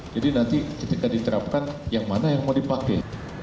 jadi nanti ketika diterapkan yang mana yang mau dipakai